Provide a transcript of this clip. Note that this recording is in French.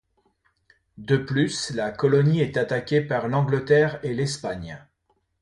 De plus, la colonie est attaquée par l'Angleterre et l'Espagne.